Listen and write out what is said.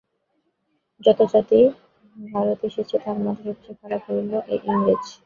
যত জাতি ভারতে এসেছে, তার মধ্যে সবচেয়ে খারাপ হল এই ইংরেজ।